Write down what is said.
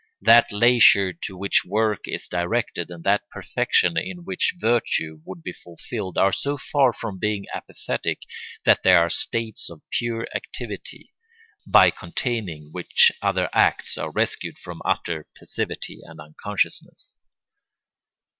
That leisure to which work is directed and that perfection in which virtue would be fulfilled are so far from being apathetic that they are states of pure activity, by containing which other acts are rescued from utter passivity and unconsciousness.